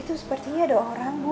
itu sepertinya ada orang ragu